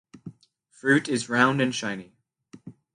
Fruit is round and shiny.